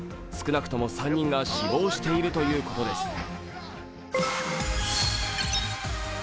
少なくとも３人が死亡しているということです。